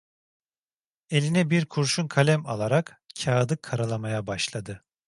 Eline bir kurşunkalem alarak kâğıdı karalamaya başladı.